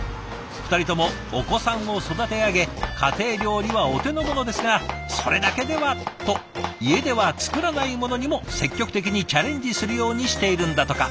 ２人ともお子さんを育て上げ家庭料理はお手の物ですがそれだけではと家では作らないものにも積極的にチャレンジするようにしているんだとか。